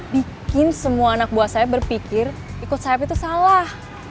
bikin semua anak buah saya berpikir ikut sayap itu salah